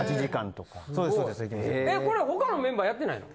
これ他のメンバーやってないの？